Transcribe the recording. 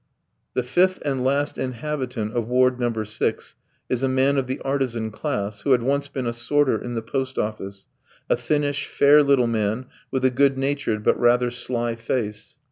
The fifth and last inhabitant of Ward No. 6 is a man of the artisan class who had once been a sorter in the post office, a thinnish, fair little man with a good natured but rather sly face.